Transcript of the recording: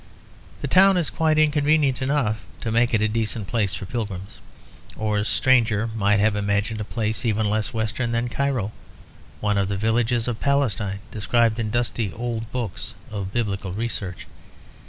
The town is quite inconvenient enough to make it a decent place for pilgrims. Or a stranger might have imagined a place even less Western than Cairo, one of those villages of Palestine described in dusty old books of Biblical research.